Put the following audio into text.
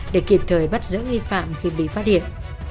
để kịp thời bắt giữ nghi phạm khi bị phát hiện